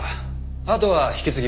あとは引き継ぎます。